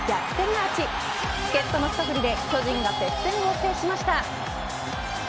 アーチ助っ人の一振りで巨人が接戦を制しました。